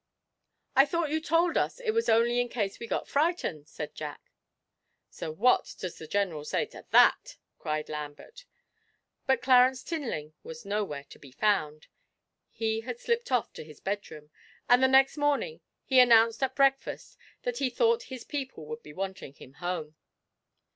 'I thought you told us it was only in case we got frightened?' said Jack. 'What does the General say to that?' cried Lambert but Clarence Tinling was nowhere to be found. He had slipped off to his bedroom, and the next morning he announced at breakfast that he 'thought his people would be wanting him at home.'